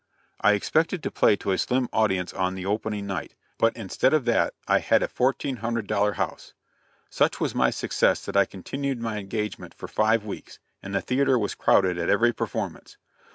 I expected to play to a slim audience on the opening night, but instead of that I had a fourteen hundred dollar house. Such was my success that I continued my engagement for five weeks, and the theatre was crowded at every performance.